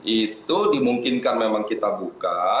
itu dimungkinkan memang kita buka